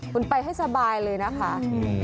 คุณไปให้สบายเลยนะคะ